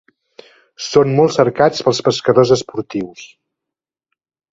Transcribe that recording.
Són molt cercats pels pescadors esportius.